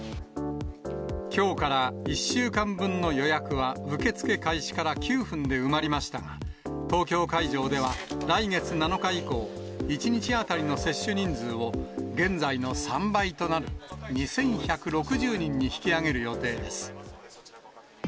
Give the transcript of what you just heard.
きょうから１週間分の予約は受け付け開始から９分で埋まりましたが、東京会場では来月７日以降、１日当たりの接種人数を、現在の３倍となる２１６０人に引き上げる予定です。